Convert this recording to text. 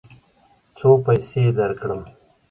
څو پیسې درکړم؟